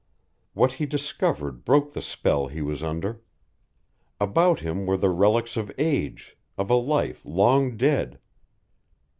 What he discovered broke the spell he was under. About him were the relics of age, of a life long dead.